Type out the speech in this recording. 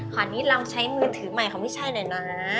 คราวนี้ลองใช้มือถือใหม่ของพี่ชายหน่อยนะ